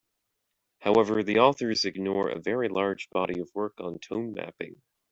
However, the authors ignore a very large body of work on tone mapping.